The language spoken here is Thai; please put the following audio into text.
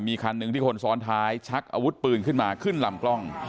มีคันหนึ่งที่คนซ้อนท้ายชักอาวุธปืนขึ้นมาขึ้นลำกล้อง